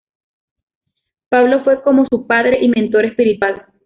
Pablo fue como su padre y mentor espiritual.